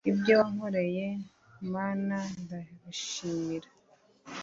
ibyo wankoreye manandabishimira